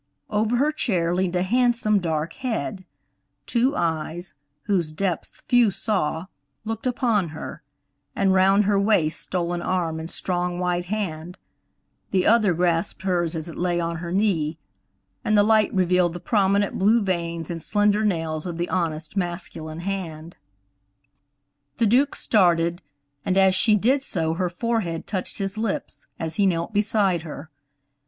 Over her chair leaned a handsome, dark head; two eyes, whose depths few saw, looked upon her, and round her waist stole an arm and strong white hand; the other grasped hers as it lay on her knee, and the light revealed the prominent blue veins and slender nails of the honest, masculine hand. "MARJORIE, SEATED IN THE HAMMOCK, WAS DRAWING OFF A GLOVE." The Duke started, and as she did so her forehead touched his lips, as he knelt beside her.